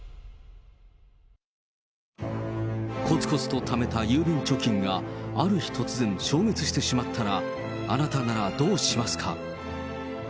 こつこつとためた郵便貯金が、ある日突然、消滅してしまったら、あなたならどうしますか。